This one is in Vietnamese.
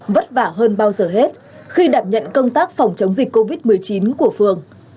vất vả hơn bao giờ hết khi đảm nhận công tác phòng chống dịch covid một mươi chín của phường